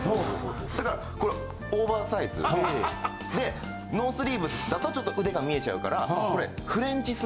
だからこれオーバーサイズでノースリーブだとちょっと腕が見えちゃうからこれ。